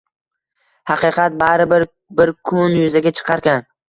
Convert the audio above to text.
Haqiqat baribir bir kun yuzaga chiqarkan